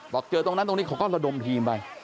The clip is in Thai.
เจอตรงนั้นตรงนี้เขาก็ระดมทีมไป